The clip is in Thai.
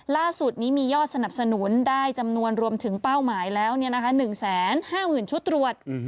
ล่าสุดนี้มียอดสนับสนุนได้จำนวนรวมถึงเป้าหมายแล้ว๑๕๐๐๐ชุดตรวจ